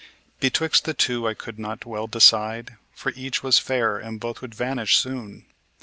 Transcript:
Betwixt the two I cold not well decide; For each was fair, and both would vanish soon.